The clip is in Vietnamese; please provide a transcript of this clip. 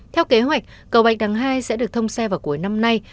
theo kế hoạch cầu bạch đằng hai sẽ được thông xe vào cuối năm nay